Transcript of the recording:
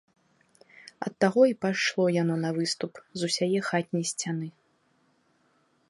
Ад таго і пайшло яно на выступ з усяе хатняй сцяны.